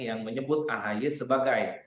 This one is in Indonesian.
yang menyebut ahy sebagai